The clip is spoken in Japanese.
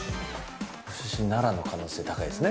出身、奈良の可能性が高いですね。